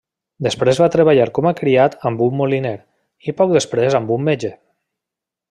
Després va treballar com a criat amb un moliner, i poc després amb un metge.